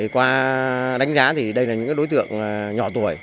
qua đánh giá thì đây là những đối tượng nhỏ tuổi